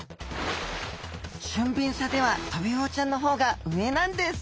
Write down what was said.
俊敏さではトビウオちゃんのほうが上なんです。